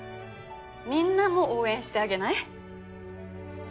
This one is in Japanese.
みんなも応援してあげない？